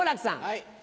はい。